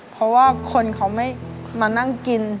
เพราะว่าคนเขาไม่มานั่งกิน